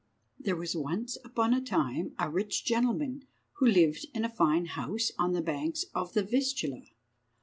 I. THERE was once upon a time a rich gentleman who lived in a fine house on the banks of the Vistula.